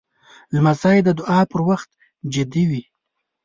لمسی د دعا پر وخت جدي وي.